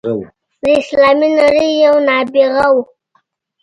د اسلامي نړۍ یو نابغه وو.